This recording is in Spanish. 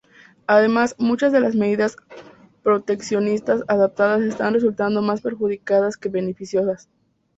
Además, muchas de las medidas proteccionistas adoptadas estaban resultando más perjudiciales que beneficiosas.